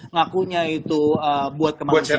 ngakunya itu buat kemanusiaan